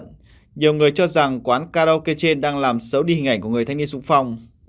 nhiều người cho rằng quán karaoke trên đang làm xấu đi hình ảnh của người thanh niên sung phong